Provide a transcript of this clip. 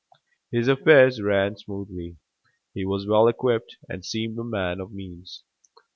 His affairs ran smoothly, he was well equipped and seemed a man of means.